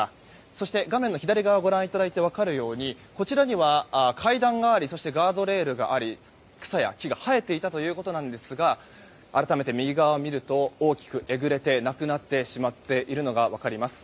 そして画面左側をご覧いただくと分かるようにこちらには階段がありそしてガードレールがあり草や木が生えていたということなんですが改めて右側を見ると大きくえぐれてなくなってしまっているのが分かります。